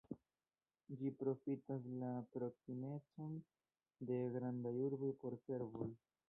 Ĝi profitas la proksimecon de grandaj urboj por servoj.